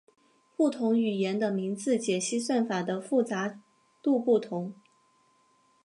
不同语言的名字解析算法的复杂度不同。